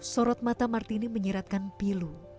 sorot mata martini menyiratkan pilu